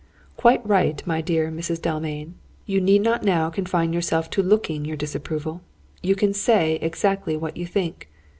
"Quite right, my dear Mrs. Dalmain! You need not now confine yourself to looking your disapproval; you can say exactly what you think.